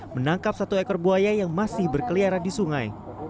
menangkap satu ekor buaya yang masih berkeliaran di sungai